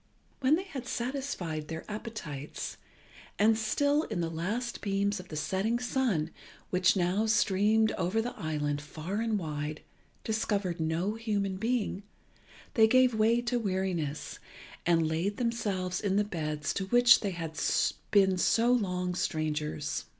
When they had satisfied their appetites, and still in the last beams of the setting sun, which now streamed over the island far and wide, discovered no human being, they gave way to weariness, and laid themselves in the beds to which they had been so long strangers.